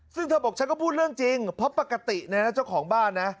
ซึ่งเธอบอกฉันก็พูดเรื่องจริงเพราะปกติเนี่ยนะเจ้าของบ้านนะ